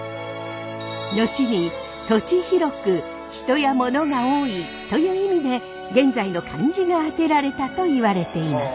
後に「土地博く人や物が多い」という意味で現在の漢字が当てられたといわれています。